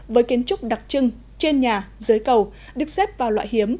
với kiến trúc đặc trưng trên nhà dưới cầu được xếp vào loại hiếm